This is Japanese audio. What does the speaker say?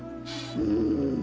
うん。